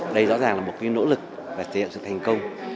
đây rõ ràng là một nỗ lực và thể hiện sự thành công